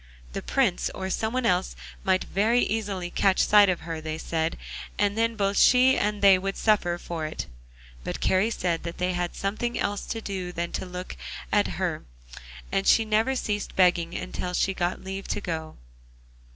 The Prince or some one else might very easily catch sight of her, they said, and then both she and they would suffer for it; but Kari said that they had something else to do than to look at her, and she never ceased begging until she got leave to go.